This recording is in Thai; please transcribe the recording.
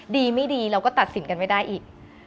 ดีไม่ดีเราก็ตัดสินกันไม่ได้อีก